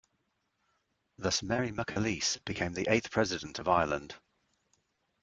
Thus, Mary McAleese became the eighth president of Ireland.